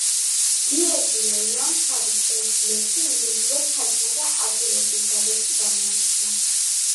გიორგი ლოლუამ თავის ერთი ლექსი ინგლისურად თარგმნა და ადგილობრივ გაზეთში გამოქვეყნა.